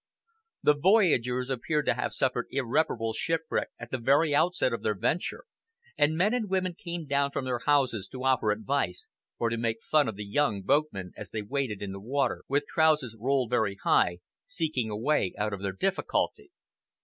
The voyagers appeared to have suffered irreparable shipwreck at the very outset of their venture, and men and women came down from their houses to offer advice or to make fun of the young boatmen as they waded about in the water, with trousers rolled very high, seeking a way out of their difficulty.